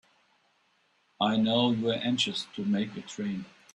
I know you're anxious to make a train.